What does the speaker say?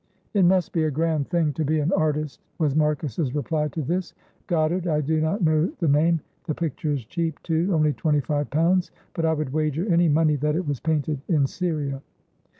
"It must be a grand thing to be an artist," was Marcus's reply to this. "Goddard, I do not know the name; the picture is cheap, too, only 25 pounds, but I would wager any money that it was painted in Syria."